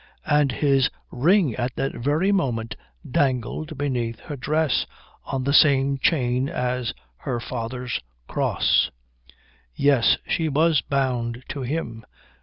And his ring at that very moment dangled beneath her dress on the same chain as her father's cross. Yes, she was bound to him.